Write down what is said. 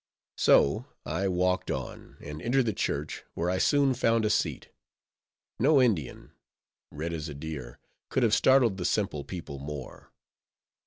So I walked on, and entered the church, where I soon found a seat. No Indian, red as a deer, could have startled the simple people more.